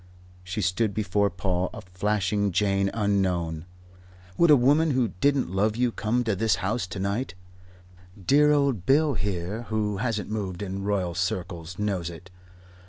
She stood before Paul, a flashing Jane unknown. "Would a woman who didn't love you come to this house to night? She wouldn't, Paul. You know it! Dear old Bill here, who hasn't moved in royal circles, knows it.